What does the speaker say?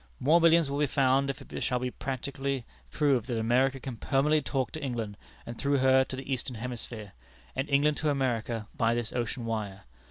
More millions will be found if it shall be practically proved that America can permanently talk to England, and through her to the eastern hemisphere, and England to America by this ocean wire.